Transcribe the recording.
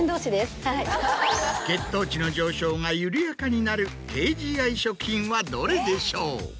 血糖値の上昇が緩やかになる低ＧＩ食品はどれでしょう？